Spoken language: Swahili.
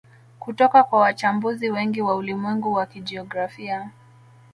Kutoka kwa wachambuzi wengi wa ulimwengu wa kijiografia